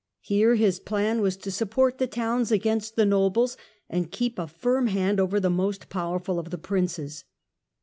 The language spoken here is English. Here his plan was to support the towns against the nobles, and keep a firm hand over the most powerful of the Princes.